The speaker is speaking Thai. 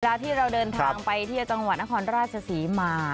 เวลาที่เราเดินทางไปที่จังหวัดนครราชศรีมา